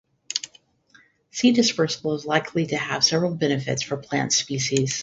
Seed dispersal is likely to have several benefits for plant species.